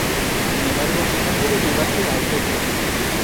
Sin embargo, no pudo llevarse a efecto.